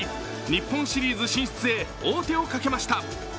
日本シリーズ進出へ王手をかけました。